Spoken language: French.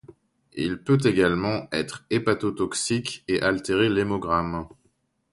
Il peut également être hépatotoxique et altérer l'hémogramme.